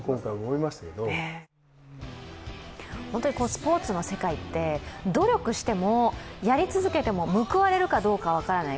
スポーツの世界って努力してもやり続けても報われるかどうか分からない